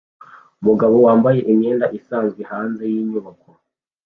umugabo wambaye imyenda isanzwe hanze yinyubako